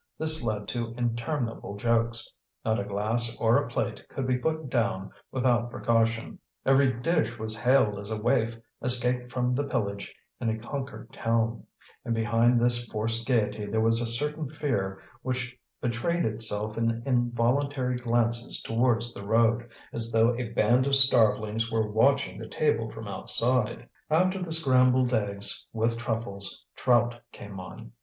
This led to interminable jokes: not a glass or a plate could be put down without precaution; every dish was hailed as a waif escaped from the pillage in a conquered town; and behind this forced gaiety there was a certain fear which betrayed itself in involuntary glances towards the road, as though a band of starvelings were watching the table from outside. After the scrambled eggs with truffles, trout came on.